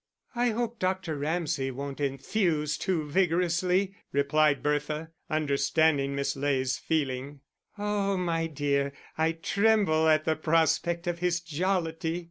"I hope Dr. Ramsay won't enthuse too vigorously," replied Bertha, understanding Miss Ley's feeling. "Oh, my dear, I tremble at the prospect of his jollity.